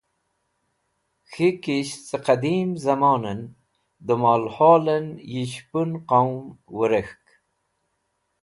K̃hik̃is̃h ce Qadim Zamonen de Molholen yi Shupun Qaum Wirek̃hk.